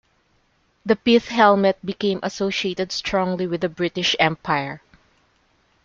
The pith helmet became associated strongly with the British Empire.